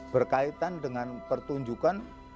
berkaitan dengan pertunjukan